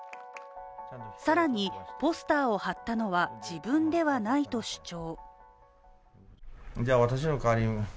更に、ポスターを貼ったのは自分ではないと主張。